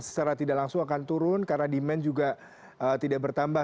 secara tidak langsung akan turun karena demand juga tidak bertambah